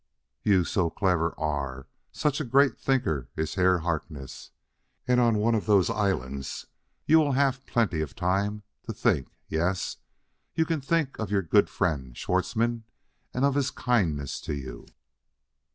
"You so clever are such a great thinker iss Herr Harkness and on one of those islands you will haff plenty of time to think yess! You can think of your goot friend, Schwartzmann, and of his kindness to you."